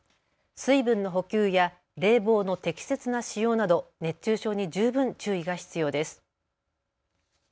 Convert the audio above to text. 水分の補給や冷房の適切な使用など熱中症に十分注意が必要です。